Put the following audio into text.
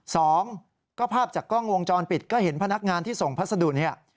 สองก็ภาพจากกล้องวงจรปิดก็เห็นพนักงานที่ส่งพัสดุเนี่ย